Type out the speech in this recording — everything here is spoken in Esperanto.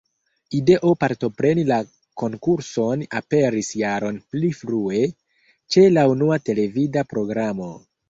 Ideo partopreni la konkurson aperis jaron pli frue, ĉe la unua televida programo.